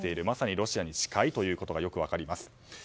まさにロシアに近いということがよく分かります。